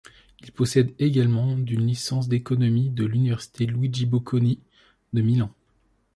Il possède également d'une licence d'économie de l'université Luigi Bocconi de Milan.